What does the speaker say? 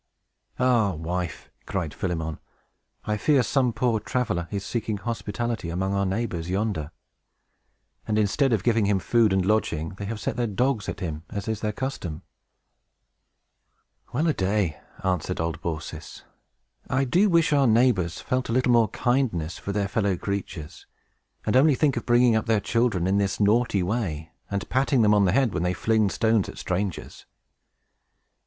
"Ah, wife," cried Philemon, "I fear some poor traveler is seeking hospitality among our neighbors yonder, and, instead of giving him food and lodging, they have set their dogs at him, as their custom is!" [Illustration: PHILEMON & BAVCIS] "Well a day!" answered old Baucis, "I do wish our neighbors felt a little more kindness for their fellow creatures. And only think of bringing up their children in this naughty way, and patting them on the head when they fling stones at strangers!"